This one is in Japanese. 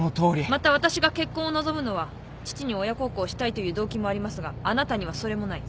また私が結婚を望むのは父に親孝行したいという動機もありますがあなたにはそれもない。